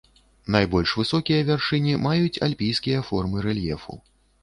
Найбольш высокія вяршыні маюць альпійскія формы рэльефу.